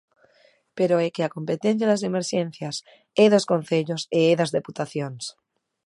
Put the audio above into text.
Pero é que a competencia das emerxencias é dos concellos e é das deputacións.